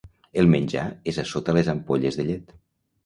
El menjar és a sota les ampolles de llet.